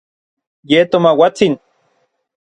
Ye tomauatsin.